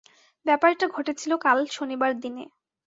ব্যাপারটা ঘটেছিল কাল শনিবার দিনে।